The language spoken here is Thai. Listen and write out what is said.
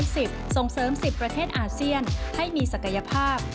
ส่งเสริม๑๐ประเทศอาเซียนให้มีศักยภาพ